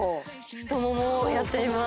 太ももをやってみます